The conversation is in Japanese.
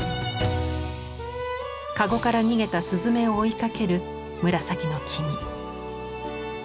かごから逃げたスズメを追いかける紫の君。